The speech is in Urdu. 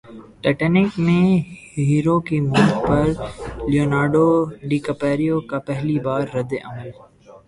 ٹائٹینک میں ہیرو کی موت پر لیونارڈو ڈی کیپریو کا پہلی بار ردعمل